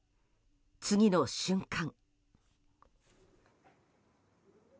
次の瞬間。